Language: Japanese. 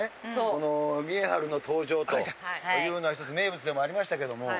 この見栄晴の登場というのはひとつ名物でもありましたけども。